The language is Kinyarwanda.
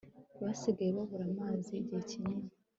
basigaye babura amazi igihe kinini